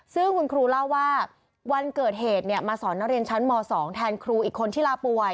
ซึ่งคุณครูเล่าว่าวันเกิดเหตุมาสอนนักเรียนชั้นม๒แทนครูอีกคนที่ลาป่วย